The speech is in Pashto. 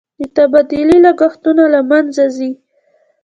د تبادلې لګښتونه له منځه ځي.